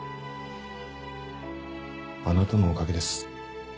あなたのおかげです。